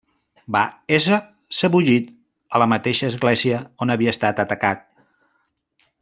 Va ésser sebollit a la mateixa església on havia estat atacat.